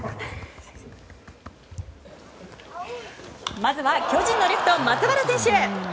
まずは巨人のレフト、松原選手。